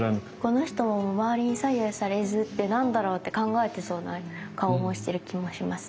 この人も「まわりに左右されずって何だろう？」って考えてそうな顔もしてる気もします。